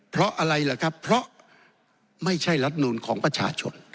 เพราะอะไรล่ะครับเพราะไม่ใช่รัฐนูลของประชาชน